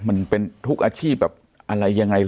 มันเป็นทุกอาชีพแบบอะไรยังไง